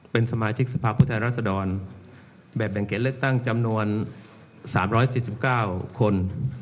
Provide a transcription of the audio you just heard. เป็นสมาชิกสภาพุทธรรษฎรแบบแบ่งเขียนเลือกตั้งจำนวน๓๔๙คน